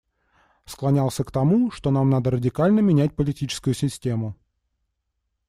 Склонялся к тому, что нам надо радикально менять политическую систему.